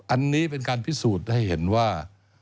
อันนี้เป็นการพิสูจน์ให้เห็นว่า